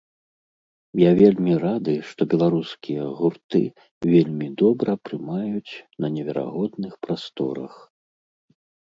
Я вельмі рады, што беларускія гурты вельмі добра прымаюць на неверагодных прасторах!